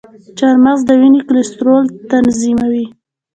چارمغز د وینې کلسترول تنظیموي.